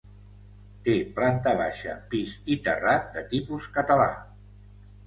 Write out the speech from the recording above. Té planta baixa, pis i terrat de tipus català.